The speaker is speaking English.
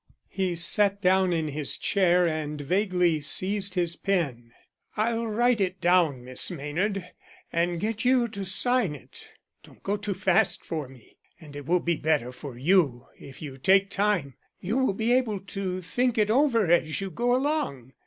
He sat down in his chair and vaguely seized his pen. "I'll write it down, Miss Maynard, and get you to sign it. Don't go too fast for me; and it will be better for you if you take time you will be able to think it over as you go along.